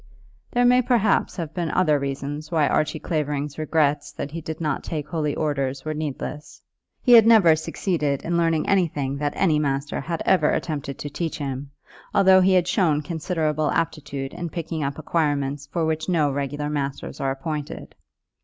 There may perhaps have been other reasons why Archie Clavering's regrets that he did not take holy orders were needless. He had never succeeded in learning anything that any master had ever attempted to teach him, although he had shown considerable aptitude in picking up acquirements for which no regular masters are appointed.